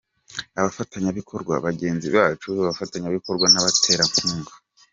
Abafatanyabikorwa – Bagenzi bacu, Abafatanyabikorwa n’abaterankunga.